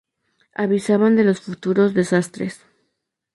avisaban de los futuros desastres